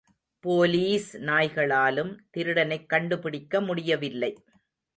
Police நாய்களாலும் திருடனைக் கண்டுபிடிக்க முடியவில்லை.